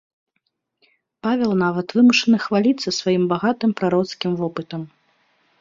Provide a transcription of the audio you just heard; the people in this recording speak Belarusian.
Павел нават вымушаны хваліцца сваім багатым прароцкім вопытам.